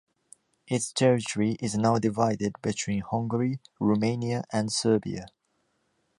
Its territory is now divided between Hungary, Romania, and Serbia.